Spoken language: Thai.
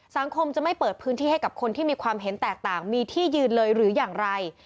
สังคมจะไม่เปิดพื้นที่ให้กับคนที่มีความเห็นแตกต่างมีที่ยืนเลยหรืออย่างไร